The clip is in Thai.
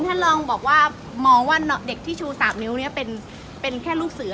ท่านลองบอกว่ามองว่าเด็กที่ชู๓นิ้วนี้เป็นแค่ลูกเสือ